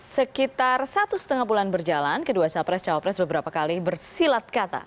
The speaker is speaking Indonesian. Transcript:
sekitar satu lima bulan berjalan kedua sahabat pres cawapres beberapa kali bersilat kata